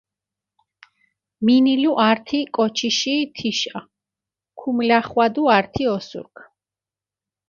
მინილუ ართი კოჩიში თიშა, ქუმლახვადუ ართი ოსურქ.